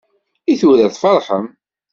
I tura tfarḥem?